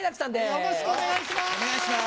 よろしくお願いします。